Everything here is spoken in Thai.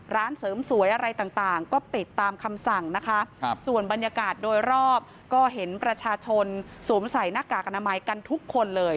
ร้านเสริมสวยอะไรต่างก็ปิดตามคำสั่งนะคะส่วนบรรยากาศโดยรอบก็เห็นประชาชนสวมใส่หน้ากากอนามัยกันทุกคนเลย